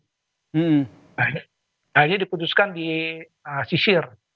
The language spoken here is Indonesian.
nah ini diputuskan di sisir